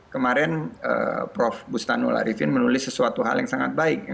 kemarin prof bustanul arifin menulis sesuatu hal yang sangat baik